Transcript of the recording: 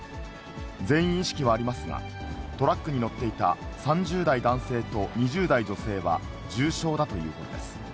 全員意識はありますが、トラックに乗っていた３０代男性と２０代女性は重傷だということです。